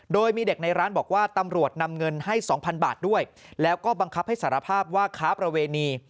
โดยมีเด็กในร้านบอกว่าตำรวจนำเงินให้สองพันบาทด้วยแล้วก็บังคับให้สารภาพว่าค้าประเวณี